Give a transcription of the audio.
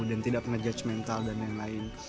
dan tidak pernah judgemental dan lain lain